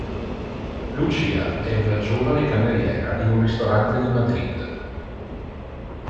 Lucia è una giovane cameriera in un ristorante di Madrid.